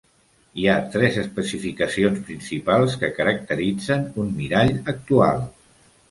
Hi ha tres especificacions principals que caracteritzen un mirall actual.